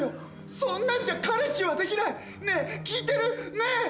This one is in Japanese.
そんなんじゃ彼氏はできないねぇ聞いてる？ねぇ！